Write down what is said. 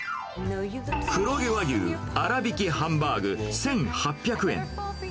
黒毛和牛粗挽きハンバーグ１８００円。